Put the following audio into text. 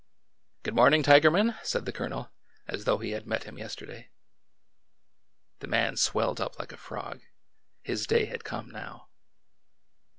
" Good morning, Tigerman," said the Colonel, as though he had met him yesterday. The man swelled up like a frog. His day had come now.